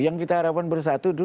yang kita harapkan bersatu